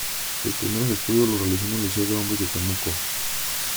Sus primeros estudios los realizó en el Liceo de Hombres de Temuco.